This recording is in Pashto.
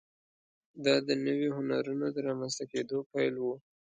دا د نویو هنرونو د رامنځته کېدو پیل و.